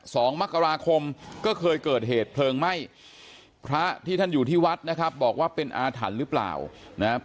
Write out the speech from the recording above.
สองมกราคมก็เคยเกิดเหตุเพลิงไหม้พระที่ท่านอยู่ที่วัดนะครับบอกว่าเป็นอาถรรพ์หรือเปล่านะครับ